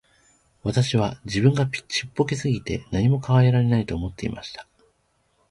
私は自分がちっぽけすぎて何も変えられないと思っていました。